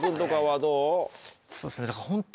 そうですね